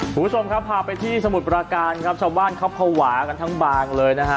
คุณผู้ชมครับพาไปที่สมุทรประการครับชาวบ้านเขาภาวะกันทั้งบางเลยนะฮะ